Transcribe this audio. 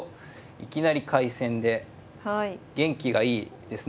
いきなり開戦で元気がいいですね